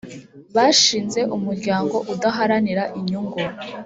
bashinze umuryango udaharanira inyungu